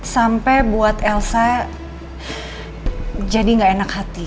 sampai buat elsa jadi gak enak hati